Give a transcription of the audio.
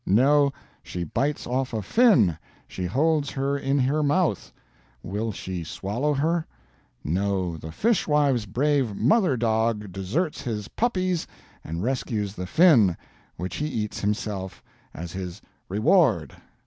No, she bites off a Fin, she holds her in her Mouth will she swallow her? No, the Fishwife's brave Mother dog deserts his Puppies and rescues the Fin which he eats, himself, as his Reward.